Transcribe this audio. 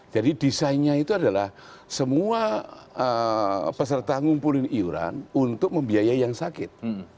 jadi desainnya itu adalah semua peserta ngumpulin iuran untuk membiayai yang sakit